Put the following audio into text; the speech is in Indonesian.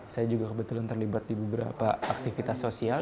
saya juga kebetulan terlibat di beberapa aktivitas sosial